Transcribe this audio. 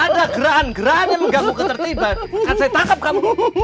jangan ganggu ketertiban akan saya tangkap kamu